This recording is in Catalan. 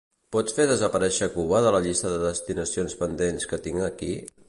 Pots fer desaparèixer Cuba de la llista de destinacions pendents que tinc aquí?